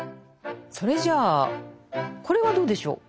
それじゃあこれはどうでしょう。